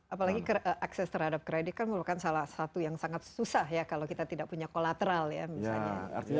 apalagi akses terhadap kredit kan merupakan salah satu yang sangat susah ya kalau kita tidak punya kolateral ya misalnya